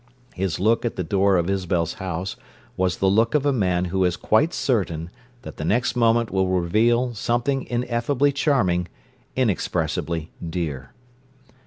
His look at the door of Isabel's house was the look of a man who is quite certain that the next moment will reveal something ineffably charming, inexpressibly dear.